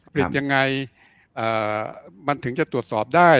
ผิดยังไงมันถึงจะตรวจสอบได้